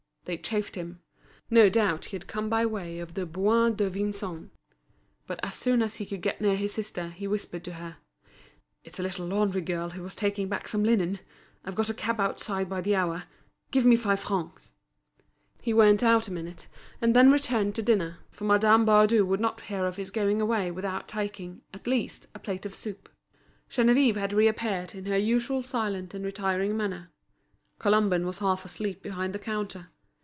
They chaffed him. No doubt he had come by way of the Bois de Vincennes. But as soon as he could get near his sister, he whispered to her: "It's a little laundry girl who was taking back some linen. I've got a cab outside by the hour. Give me five francs." He went out a minute, and then returned to dinner, for Madame Baudu would not hear of his going away without taking, at least, a plate of soup. Geneviève had reappeared in her usual silent and retiring manner. Colomban was half asleep behind the counter.